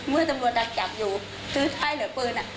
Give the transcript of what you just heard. เมื่อตำรวจดักอยู่ซื้อไทยเหลือปืน